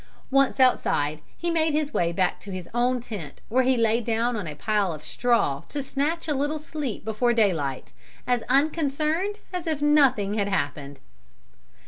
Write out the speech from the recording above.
Once outside, he made his way back to his own tent where he lay down on his pile of straw to snatch a little sleep before daylight, as unconcerned as if nothing had happened.